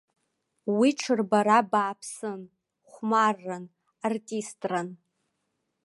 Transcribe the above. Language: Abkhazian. Уи ҽырбара бааԥсын, хәмарран, артистран.